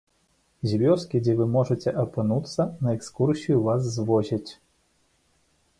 З вёскі, дзе вы можаце апынуцца, на экскурсію вас звозяць.